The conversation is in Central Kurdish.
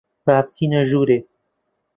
با بچینە ژوورێ.